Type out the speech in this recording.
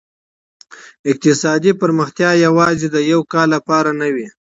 اقتصادي پرمختيا يوازي د يوه کال لپاره نه وي.